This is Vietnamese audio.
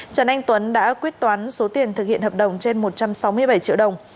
trần anh tuấn đã quyết toán số tiền thực hiện hợp đồng trên một trăm sáu mươi bảy triệu đồng